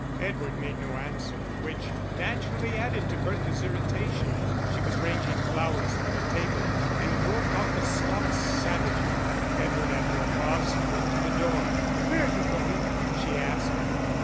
Edward made no answer, which naturally added to Bertha's irritation. She was arranging flowers for the table, and broke off the stalks savagely. Edward, after a pause, went to the door. "Where are you going?" she asked.